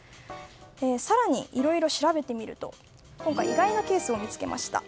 更にいろいろ調べてみると意外なケースを見つけました。